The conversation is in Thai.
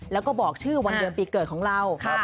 แล้วก็บอกชื่อวันเดือนปีเกิดของเรา